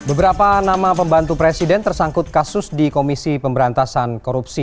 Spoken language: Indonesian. beberapa nama pembantu presiden tersangkut kasus di komisi pemberantasan korupsi